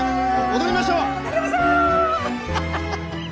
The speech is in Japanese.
踊りましょう！